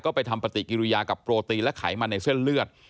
ไปทำปฏิกิริยากับโปรตีนและไขมันในเส้นเลือด